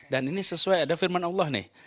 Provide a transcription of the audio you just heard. dan ini sesuai ada firman allah nih